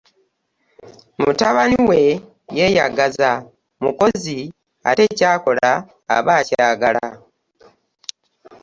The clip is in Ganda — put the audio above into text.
Mutabani we yeyagaza, mukozi ate kyakola aba akayagala.